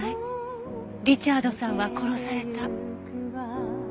リチャードさんは殺された。